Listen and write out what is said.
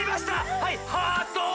はいハート！